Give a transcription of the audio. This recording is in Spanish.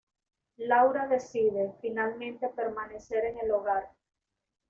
Laura decide, finalmente, permanecer en el hogar.